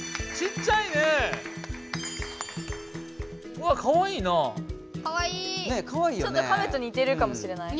ちょっとカメとにてるかもしれない。